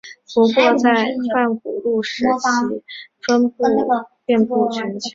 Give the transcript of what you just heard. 不过在泛古陆时其分布遍布全球。